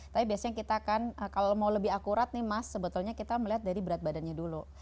tapi biasanya kita kan kalau mau lebih akurat nih mas sebetulnya kita melihat dari berat badannya dulu